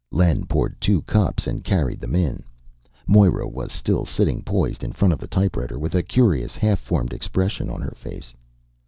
Len poured two cups and carried them in. Moira was still sitting poised in front of the typewriter, with a curious half formed expression on her face.